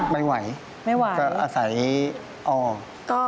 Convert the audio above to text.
ไม่ไหวเพราะอาศัยโอ้ย